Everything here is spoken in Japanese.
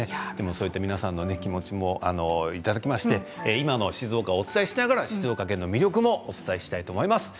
そういった皆さんの気持ちもいただきまして今の静岡をお伝えしながら静岡の魅力もお伝えします。